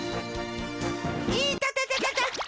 いたたたたた！